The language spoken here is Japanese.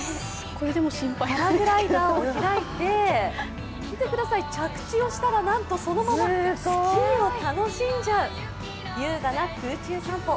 パラグライダーを開いて見てください、着地をしたらなんと、そのままスキーを楽しんじゃう優雅な空中散歩。